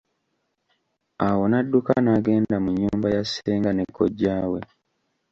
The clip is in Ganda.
Awo nadduka n'agenda mu nyumba ya Senga ne Kojja we.